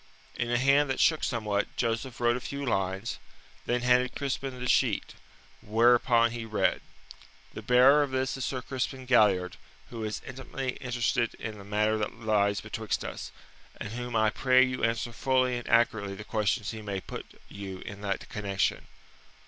In a hand that shook somewhat, Joseph wrote a few lines, then handed Crispin the sheet, whereon he read: The bearer of this is Sir Crispin Galliard, who is intimately interested in the matter that lies betwixt us, and whom I pray you answer fully and accurately the questions he may put you in that connexion.